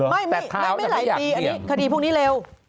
ไม่ไม่หลายปีคดีพวกนี้เร็ว